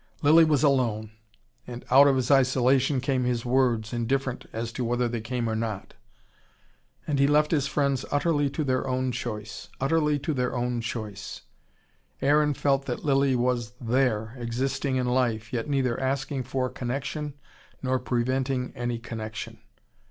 Lilly was alone and out of his isolation came his words, indifferent as to whether they came or not. And he left his friends utterly to their own choice. Utterly to their own choice. Aaron felt that Lilly was there, existing in life, yet neither asking for connection nor preventing any connection.